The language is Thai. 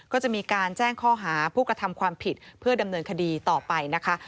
ก็จะมีการแจ้งข้อหาผู้กระทำความผิดเพื่อดำเนินคดีต่อไปนะคะ